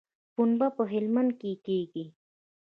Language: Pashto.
پنبه په هلمند کې کیږي